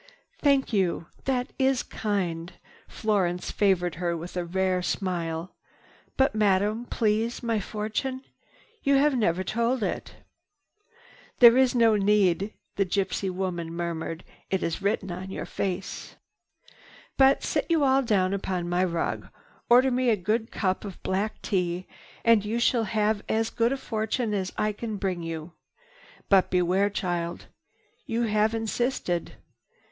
"Thank you. That is kind." Florence favored her with a rare smile. "But Madame, please, my fortune! You have never told it." "There is no need," the gypsy woman murmured. "It is written in your face. "But sit you all down upon my rug. Order me a good cup of black tea and you shall have as good a fortune as I can bring you. But beware, child! You have insisted.